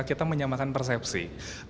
kita mencari penyakit yang tidak berguna